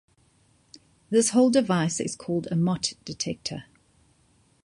This whole device is called a Mott-detector.